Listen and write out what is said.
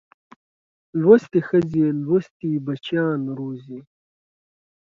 لوستې ښځې لوستي بچیان روزي